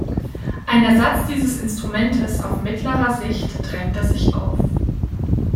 Ein Ersatz dieses Instrumentes auf mittlere Sicht drängte sich auf.